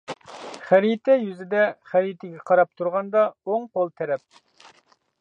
خەرىتە يۈزىدە خەرىتىگە قاراپ تۇرغاندا ئوڭ قول تەرەپ.